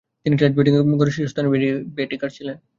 তিনি test batting গড়ে শীর্ষস্থানীয় ক্রিকেটার ছিলেন।